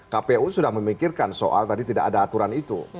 kpu sudah memikirkan soal tadi tidak ada aturan itu